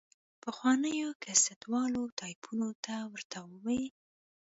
پخوانيو کسټ والا ټايپونو ته ورته وه.